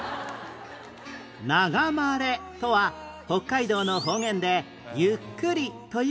「ながまれ」とは北海道の方言で「ゆっくり」という意味